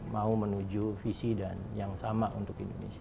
mau menuju visi dan yang sama untuk indonesia